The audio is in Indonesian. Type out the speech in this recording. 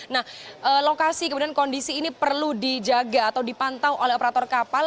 nah lokasi kemudian kondisi ini perlu dijaga atau dipantau oleh operator kapal